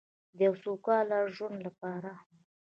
د یو سوکاله ژوند لپاره.